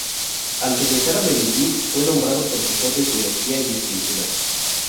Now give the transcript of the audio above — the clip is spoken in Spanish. Al regresar a Medellín fue nombrado profesor de Teología y Escritura.